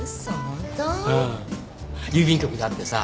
郵便局で会ってさ。